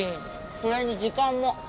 それに時間も。